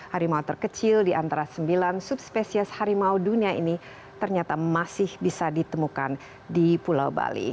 harimau terkecil di antara sembilan subspesies harimau dunia ini ternyata masih bisa ditemukan di pulau bali